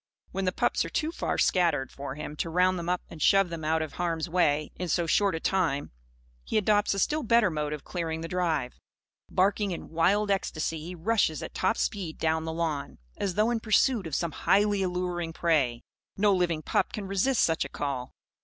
When the pups are too far scattered for him to round them up and shove them out of harm's way, in so short a time, he adopts a still better mode of clearing the drive. Barking in wild ecstasy, he rushes at top speed down the lawn, as though in pursuit of some highly alluring prey. No living pup can resist such a call.